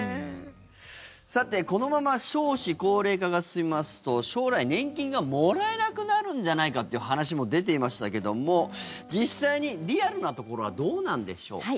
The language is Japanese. さて、このまま少子高齢化が進みますと将来、年金がもらえなくなるんじゃないかという話も出ていましたけども実際にリアルなところはどうなんでしょうか？